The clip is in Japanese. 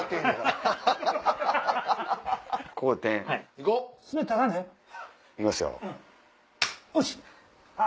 行きますよ。